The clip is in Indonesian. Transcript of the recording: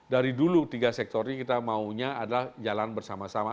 dari dulu tiga sektor ini kita maunya adalah jalan bersama sama